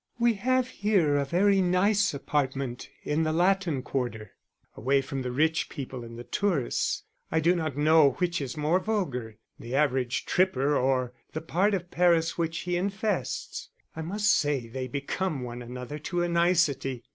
_ _We have here a very nice apartment, in the Latin Quarter, away from the rich people and the tourists. I do not know which is more vulgar, the average tripper or the part of Paris which he infests: I must say they become one another to a nicety.